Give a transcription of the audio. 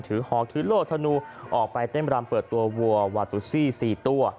ถือหองถือโลกธนูออกไปเต้นบรรมเปิดตัววัววาทุซี่สี่ตัว